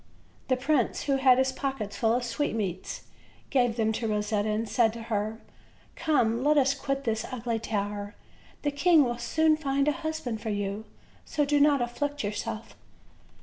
The prince, who had his pockets full of sweetmeats, gave them to Kosetta and said to her: "Come, let us quit this ugly tower; the king will soon find a husband for you, so do not afflict yourself."